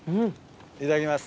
いただきます。